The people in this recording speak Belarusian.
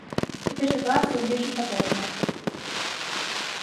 Цяпер сітуацыя ў нечым падобная.